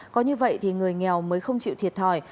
có như vậy thì người nghèo mới không chịu thiệt thòi